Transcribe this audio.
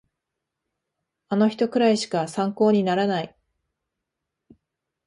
あの人くらいしか参考にならない